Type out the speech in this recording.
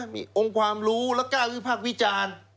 มีองค์ความรู้และกล้าวิพากษ์วิจารณ์